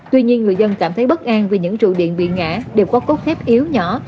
tuy nhiên người dân cảm thấy bất an vì những trụ điện bị ngã đều có cốt khép yếu nhỏ